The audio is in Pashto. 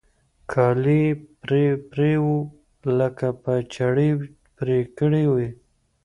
كالي يې پرې پرې وو لکه په چړې پرې كړي وي.